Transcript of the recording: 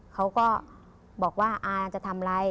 เขาก็บอกว่าอาจะทำอะไร